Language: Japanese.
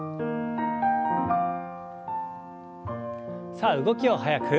さあ動きを速く。